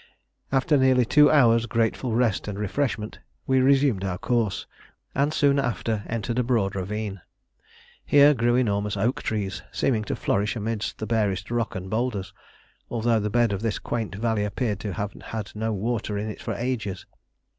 After nearly two hours' grateful rest and refreshment, we resumed our course, and soon after entered a broad ravine. Here grew enormous oak trees, seeming to flourish amid the barest rock and boulders, although the bed of this quaint valley appeared to have had no water in it for ages.